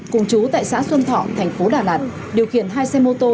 cùng chú tại xã xuân thọ tp đà lạt điều khiển hai xe mô tô